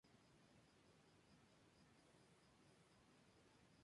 El salón noble es el más grande del palacio.